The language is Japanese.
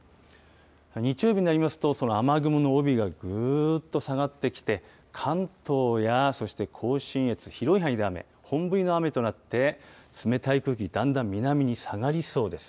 日曜日になりますと、その雨雲の帯がぐーっと下がってきて、関東や、そして甲信越、広い範囲で雨、本降りの雨となって、冷たい空気、だんだん南に下がりそうです。